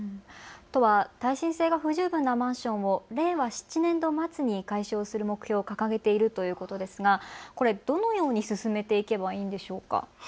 都は耐震性が不十分なマンションを令和７年度末に解消する目標を掲げているということですがどのように進めていけばいいんでしょうか。